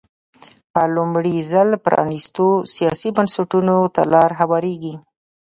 په لومړي ځل پرانېستو سیاسي بنسټونو ته لار هوارېږي.